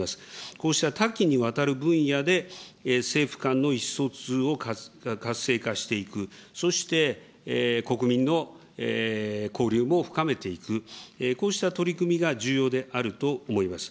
こうした多岐にわたる分野で、政府間の意思疎通を活性化していく、そして国民の交流も深めていく、こうした取り組みが重要であると思います。